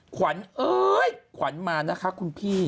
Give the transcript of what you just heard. ขวัญเอ้ยขวัญมานะคะคุณพี่